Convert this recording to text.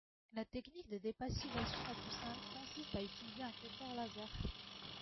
La technique de dépassivation la plus simple consiste à utiliser un cutter laser.